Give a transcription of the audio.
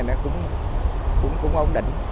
nó cũng ổn định